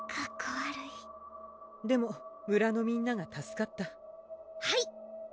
悪いでも村のみんなが助かったはい！